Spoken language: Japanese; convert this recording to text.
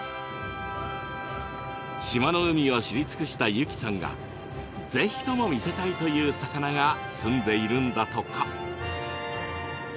島の海を知り尽くした由起さんがぜひとも見せたいという魚がすんでいるんだとか。